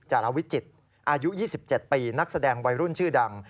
จารวิจิตรอายุ๒๗ปีนักแสดงวัยรุ่นชื่อดัง